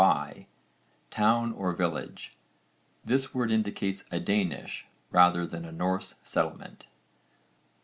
by, town or village. This word indicates a Danish rather than a Norse settlement.